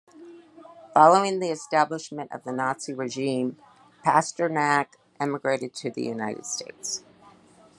Following the establishment of the Nazi regime, Pasternak emigrated to the United States.